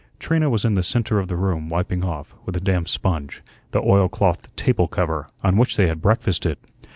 Trina was in the centre of the room, wiping off, with a damp sponge, the oilcloth table cover, on which they had breakfasted.